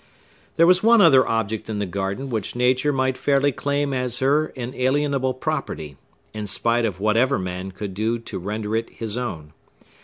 There was one other object in the garden which Nature might fairly claim as her inalienable property, in spite of whatever man could do to render it his own.